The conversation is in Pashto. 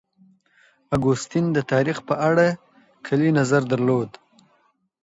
اګوستين د تاريخ په اړه کلي نظر درلود.